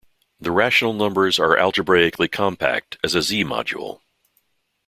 The rational numbers are algebraically compact as a Z-module.